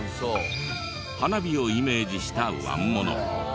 花火をイメージした椀もの。